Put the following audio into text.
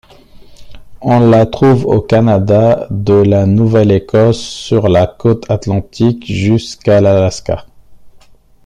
On la trouve au Canada, de la Nouvelle-Écosse sur la côte atlantique, jusqu'à l'Alaska.